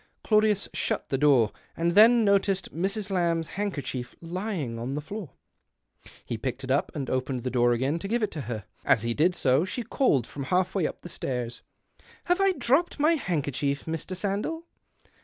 Claudius shut the door, and then noticed Mrs. Lamb's handkerchief lying on the floor. He picked it up, and opened the door again to Sfive it her. As he did so, she called from halfway up the stairs —" Have I dropped my handkerchief, Mr. Sandell